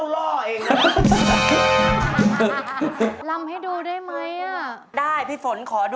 โอ้วโอ้ลูกนึงเก๋น